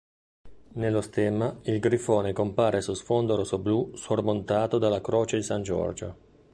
Nello stemma, il grifone compare su sfondo rossoblu sormontato dalla croce di San Giorgio.